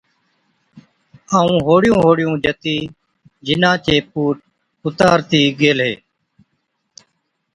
ائُون هوڙِيُون هوڙِيُون جتِي جِنا چي پُوٽ اُتارتِي گيهلي۔